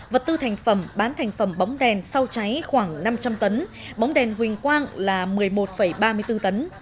vật tư thành phẩm bán thành phẩm bóng đèn sau cháy khoảng năm trăm linh tấn bóng đèn huỳnh quang là một mươi một ba mươi bốn tấn